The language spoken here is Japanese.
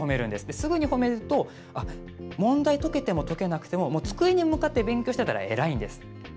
すぐに褒めると問題、解けても解けなくても机に向かって勉強してたら偉いんです。